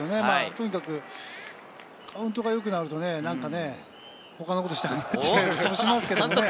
とにかくカウントが良くなると、他のことをしたくなっちゃう気がしますけどね。